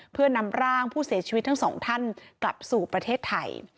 เพื่อนำร่างผู้เสียชีวิตทั้งสองท่านกลับสู่ประเทศไทย